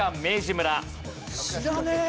知らねえ。